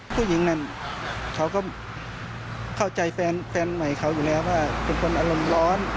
ผู้หญิงนั่นเขาก็เข้าใจแฟนใหม่เขาอยู่แล้วว่าเป็นคนอารมณ์ร้อน